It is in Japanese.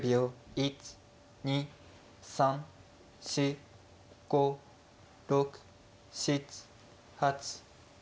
１２３４５６７８９。